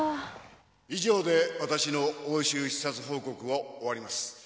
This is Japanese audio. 以上で私の欧州視察報告を終わります。